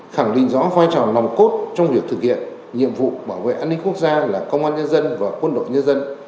khẳng định rõ vai trò nòng cốt trong việc thực hiện nhiệm vụ bảo vệ an ninh quốc gia là công an nhân dân và quân đội nhân dân